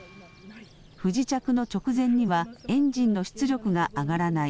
不時着の直前にはエンジンの出力が上がらない。